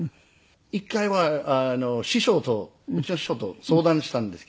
一回は師匠とうちの師匠と相談したんですけど。